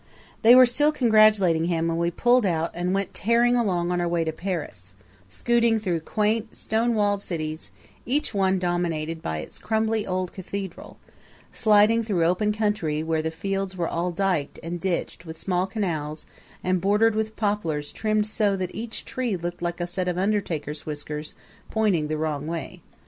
They were still congratulating him when we pulled out and went tearing along on our way to Paris, scooting through quaint, stone walled cities, each one dominated by its crumbly old cathedral; sliding through open country where the fields were all diked and ditched with small canals and bordered with poplars trimmed so that each tree looked like a set of undertaker's whiskers pointing the wrong way.